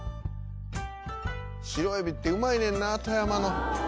「白エビってうまいねんな富山の」